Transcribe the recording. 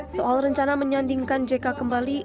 soal rencana menyandingkan jk kembali